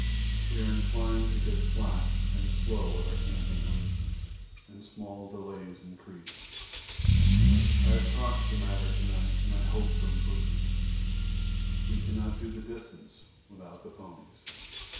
We are inclined to get slack and slow with our camping arrangements, and small delays increase. I have talked of the matter to night and hope for improvement. We cannot do distance without the ponies.